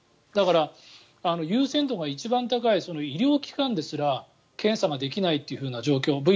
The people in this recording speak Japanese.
だから、優先度が一番高い医療機関ですら検査ができないという状況。